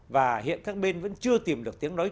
và hiện các bên vẫn chưa tìm được tiếng nói